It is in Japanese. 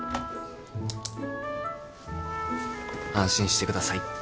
安心してください。